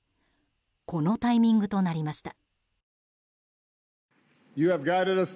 このタイミングとなりました。